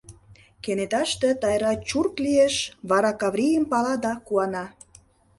Кенеташте Тайра чурк лиеш, вара Каврийым пала да куана: